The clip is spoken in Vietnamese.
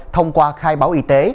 thông qua khai báo y tế